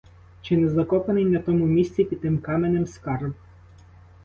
Чи не закопаний на тому місці, під тим каменем, скарб?